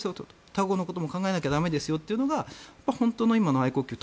他国のことも考えなきゃ駄目ですよっていうのが本当の今の愛国教育。